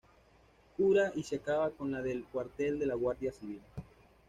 Cura y se acaba con la del Cuartel de la Guardia Civil.